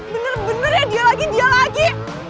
bener bener ya dia lagi dia lagi